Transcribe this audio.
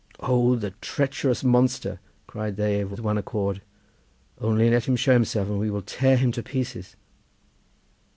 "'Oh, the treacherous monster!' cried they with one accord; 'only let him show himself and we will tear him to pieces.